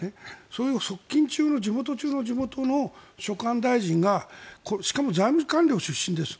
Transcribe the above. そういう側近中の地元中の地元の所管大臣がしかも財務官僚出身です。